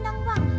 gua hendang bang